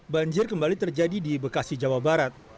banjir kembali terjadi di bekasi jawa barat